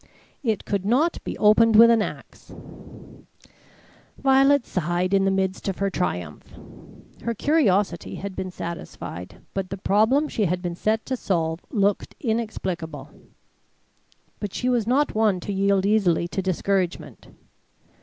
"It could not be opened with an axe." Violet sighed in the midst of her triumph. Her curiosity had been satisfied, but the problem she had been set to solve looked inexplicable. But she was not one to yield easily to discouragement.